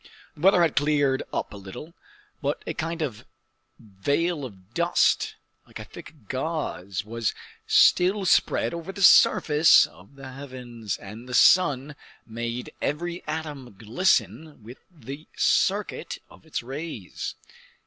The weather had cleared up a little, but a kind of veil of dust, like a thick gauze, was still spread over the surface of the heavens, and the sun made every atom glisten within the circuit of its rays.